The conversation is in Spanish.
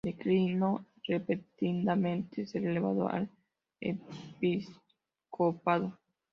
Declinó repetidamente ser elevado al episcopado.